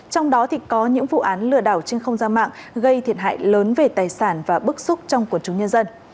trong đó có những vụ án lừa đảo trên không gian mạng gây thiệt hại lớn về tài sản và bức xúc trong quần chúng nhân dân